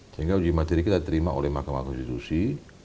sehingga uji materi kita terima oleh mahkamah konstitusi